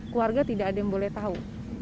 keluarga tidak ada yang boleh tahu